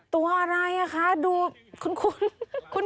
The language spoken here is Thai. ตัวอะไรคะดูคุ้น